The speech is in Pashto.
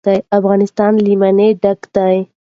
افغانستان له منی ډک دی.